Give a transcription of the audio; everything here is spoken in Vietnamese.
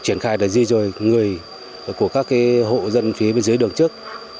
triển khai là di rời người của các cái hộ dân phía dưới đường trước